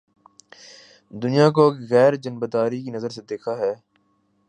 دنیا کو ایک غیر جانبدار کی نظر سے دیکھا ہے